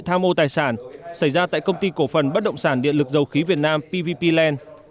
tham mô tài sản xảy ra tại công ty cổ phần bất động sản điện lực dầu khí việt nam pvp land